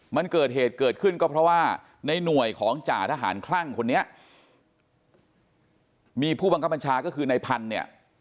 มันเกิดเหตุเกิดขึ้นก็เพราะว่าในหน่วยของจ่าทหารคลั่งคนนี้มีผู้บังคับบัญชาก็คือในพันธุ์เนี่ย